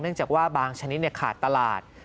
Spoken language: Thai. เนื่องจากว่าบางชนิดขาดตลาด